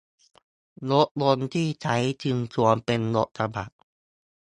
รถยนต์ที่ใช้จึงควรเป็นรถกระบะ